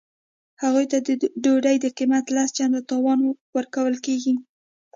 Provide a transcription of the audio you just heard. هغوی ته د ډوډۍ د قیمت لس چنده زیات تاوان ورکول کیږي